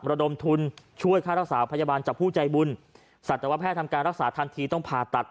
ระดมทุนช่วยค่ารักษาพยาบาลจากผู้ใจบุญสัตวแพทย์ทำการรักษาทันทีต้องผ่าตัด